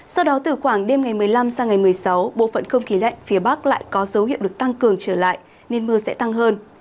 sau đó từ khoảng đêm ngày một mươi năm sang ngày một mươi sáu bộ phận không khí lạnh phía bắc lại có dấu hiệu được tăng cường trở lại nên mưa sẽ tăng hơn